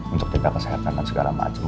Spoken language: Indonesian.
untuk tindakan kesehatan dan segala macem